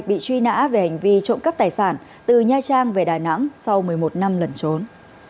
bị truy nã về hành vi trộm cắp tài sản từ nha trang về đà nẵng sau một mươi một năm lần trốn